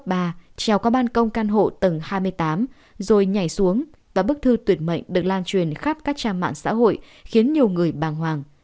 n m treo qua ban công căn hộ tầng hai mươi tám rồi nhảy xuống và bức thư tuyệt mệnh được lan truyền khắp các trang mạng xã hội khiến nhiều người bàng hoàng